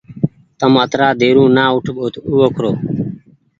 تم اترآ ديرو نآ اوٺ ٻوکرو۔